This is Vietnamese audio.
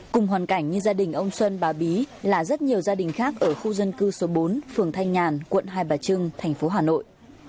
cùng hoàn cảnh như gia đình ông xuân bà bí là rất nhiều gia đình khác ở khu dân cư số bốn phường thanh nhàn quận hai bà trưng thành phố hà nội